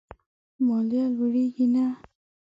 ماليه لوړېږي نه.